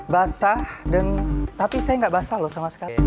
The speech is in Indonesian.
basah dan tapi saya nggak basah loh sama sekali